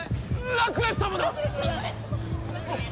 ラクレス様！